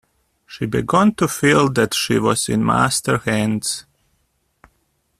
She began to feel that she was in master-hands.